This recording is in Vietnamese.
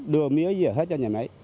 đưa mía về hết cho nhà máy